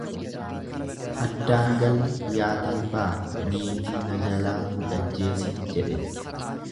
Addaan galle yaa talbaa niitii na jalaa hin ajjeesiin jedhe.